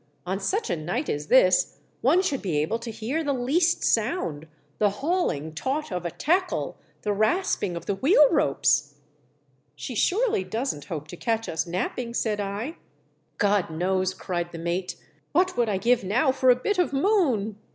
On such a night as this one should be able to hear the least sound — the hauling taut of a tackle — the rasping of the wheel ropes !"*' She surely doesn't hope to catch us napping }'' said I. yo THE DEATH SHIP. "God knows!" cried the mate. '"' What would I give now for a bit of moon